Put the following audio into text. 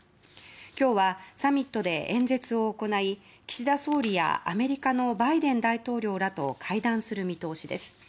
今日はサミットで演説を行い岸田総理やアメリカのバイデン大統領らと会談する見通しです。